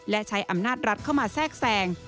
และใช้อำนาจรัฐเข้ามาแทรกแทรง